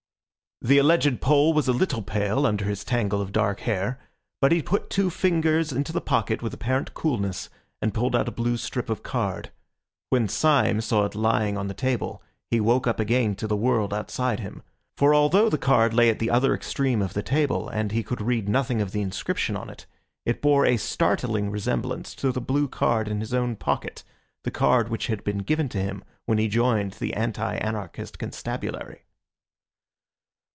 The alleged Pole was a little pale under his tangle of dark hair, but he put two fingers into the pocket with apparent coolness and pulled out a blue strip of card. When Syme saw it lying on the table, he woke up again to the world outside him. For although the card lay at the other extreme of the table, and he could read nothing of the inscription on it, it bore a startling resemblance to the blue card in his own pocket, the card which had been given to him when he joined the anti anarchist constabulary.